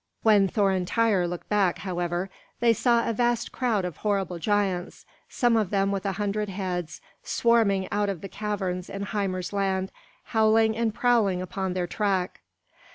When Thor and Tŷr looked back, however, they saw a vast crowd of horrible giants, some of them with a hundred heads, swarming out of the caverns in Hymir's land, howling and prowling upon their track.